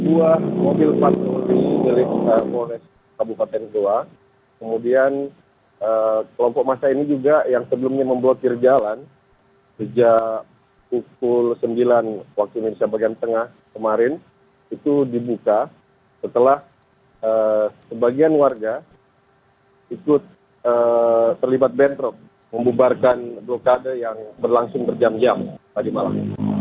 dua mobil pasok dari kabupaten doa kemudian kelompok massa ini juga yang sebelumnya memblokir jalan sejak pukul sembilan waktu indonesia bagian tengah kemarin itu dibuka setelah sebagian warga ikut terlibat bentrok membubarkan blokade yang berlangsung berjam jam tadi malam